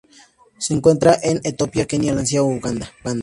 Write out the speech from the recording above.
Se encuentra en Etiopía, Kenia, Tanzania y Uganda.